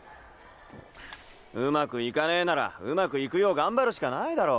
上手くいかねなら上手くいくよう頑張るしかないだろ？